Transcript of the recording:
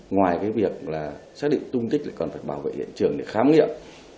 ngoài cái việc là xác định tung tích lại còn phải bảo vệ hiện trường để khám nghiệm